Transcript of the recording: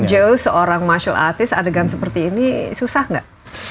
bagi jo seorang martial artist adegan seperti ini susah gak